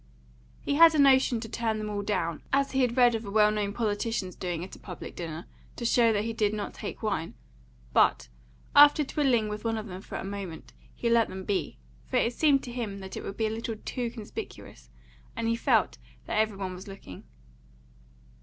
He had a notion to turn them all down, as he had read of a well known politician's doing at a public dinner, to show that he did not take wine; but, after twiddling with one of them a moment, he let them be, for it seemed to him that would be a little too conspicuous, and he felt that every one was looking.